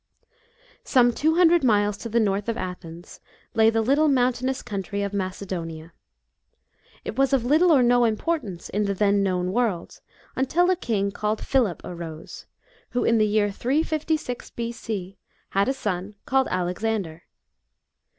Some two hundred miles to the north of Athens, lay the little mountainous country of Macedonia. It was of little or no importance in the then known world, until a king called Philip arose, who in the year 356 B.C. had a son called Alexander.